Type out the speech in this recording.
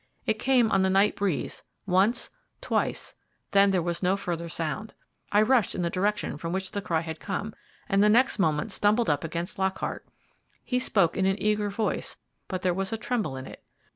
It came on the night breeze, once, twice, then there was no further sound. I rushed in the direction from which the cry had come, and the next moment stumbled up against Lockhart. He spoke in an eager voice there was a tremble in it.